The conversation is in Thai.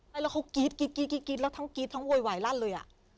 แล้วเขากรี๊ดกรี๊ดกรี๊ดกรี๊ดแล้วทั้งกรี๊ดทั้งโวยวายลั่นเลยอะ